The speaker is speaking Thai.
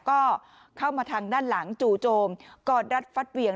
ก็เข้ามาทางด้านหลังจู่โจมกอดรัดฟัดเหวี่ยง